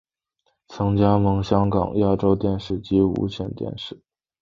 曾加盟香港亚洲电视及无线电视。